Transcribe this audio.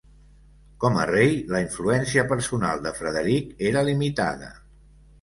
Com a rei, la influència personal de Frederic era limitada.